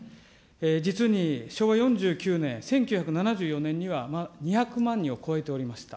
実に昭和４９年、１９７４年には２００万人を超えていました。